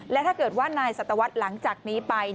และถ้าเกิดว่านายสัตวรรษหลังจากนี้ไป